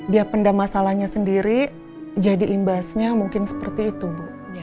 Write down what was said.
dia pendam masalahnya sendiri jadi imbasnya mungkin seperti itu bu